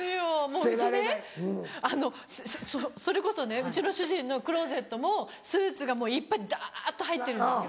うちねそれこそねうちの主人のクローゼットもスーツがいっぱいダっと入ってるんですよ。